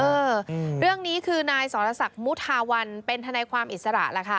เออเรื่องนี้คือนายศรศักดิ์มุทธาวร์เป็นธนาความอิสระแล้วค่ะ